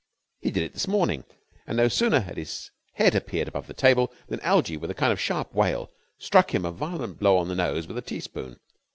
He did it this morning, and no sooner had his head appeared above the table than Algie, with a kind of sharp wail, struck him a violent blow on the nose with a teaspoon.